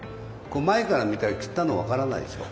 こう前から見たら切ったの分からないでしょ？